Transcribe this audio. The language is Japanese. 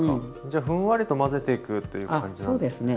じゃあふんわりと混ぜていくという感じなんですね。